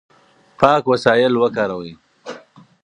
پاک وسایل وکاروئ.